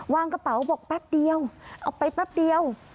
วางกระเป๋าบอกแป๊บเดียวเอาไปแป๊บเดียว